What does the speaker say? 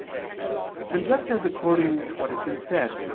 And just as according to what has been said (A.